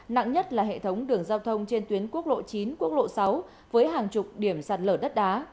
nặng nhất là hệ thống đường giao thông trên tuyến quốc lộ chín quốc lộ sáu với hàng chục điểm sạt lở đất đá